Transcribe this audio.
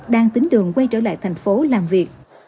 đang tính đường quay trở lại thành phố làm việc